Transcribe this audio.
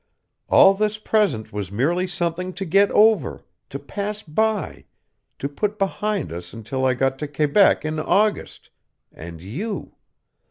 All this present was merely something to get over, to pass by, to put behind us until I got to Quebec in August and you.